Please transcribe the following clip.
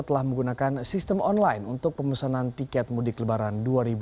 telah menggunakan sistem online untuk pemesanan tiket mudik lebaran dua ribu dua puluh